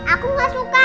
aku gak suka